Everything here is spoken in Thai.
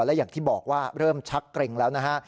และอย่างที่บอกว่าเริ่มชักเกร็งแล้วนะฮะ